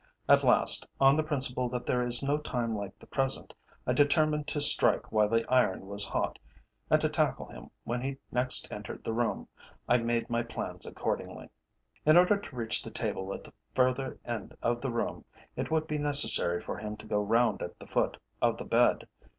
At last, on the principle that there is no time like the present, I determined to strike while the iron was hot, and to tackle him when he next entered the room. I made my plans accordingly. In order to reach the table at the further end of the room, it would be necessary for him to go round at the foot of the bed.